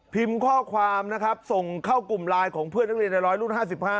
พิมพ์ข้อความส่งเข้ากลุ่มไลน์ของเพื่อนดรนร๕๕